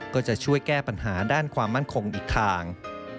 ก็จะช่วยแก้ปัญหาด้านความมั่นคงอีกทาง